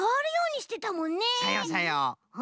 さようさよう。